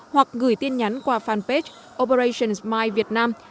hoặc gửi tin nhắn qua fanpage operations my vietnam